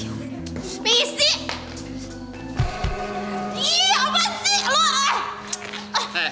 iiih apa sih